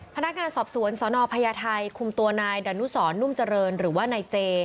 พนักงานสอบสวนสนพญาไทยคุมตัวนายดานุสรนุ่มเจริญหรือว่านายเจ